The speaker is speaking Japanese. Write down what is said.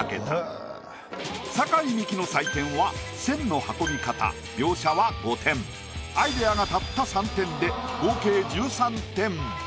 酒井美紀の採点は線の運び方描写は５点アイディアがたった３点で合計１３点。